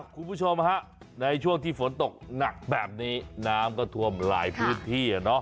คุณผู้ชมฮะในช่วงที่ฝนตกหนักแบบนี้น้ำก็ท่วมหลายพื้นที่